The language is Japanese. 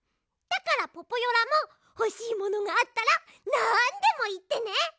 だからポポヨラもほしいものがあったらなんでもいってね！